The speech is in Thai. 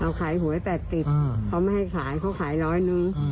เราขายหวยแปดติดเขาไม่ให้ขายเขาขายร้อยหนึ่ง